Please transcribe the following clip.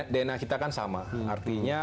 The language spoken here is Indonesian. dna kita kan sama artinya